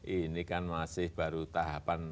ini kan masih baru tahapan